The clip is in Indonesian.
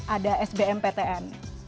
ada sbm ptn